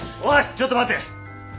ちょっと待て！